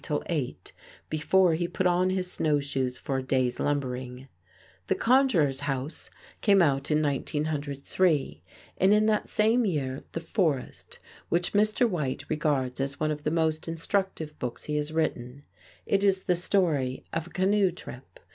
till eight, before he put on his snow shoes for a day's lumbering. "The Conjurer's House" came out in 1903, and in that same year "The Forest," which Mr. White regards as one of the most instructive books he has written. It is the story of a canoe trip.